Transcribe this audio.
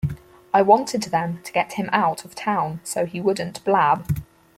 I wanted them to get him out of town so he wouldn't blab.